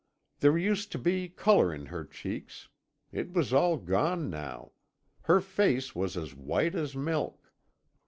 There used to be colour in her cheeks; it was all gone now her face was as white as milk.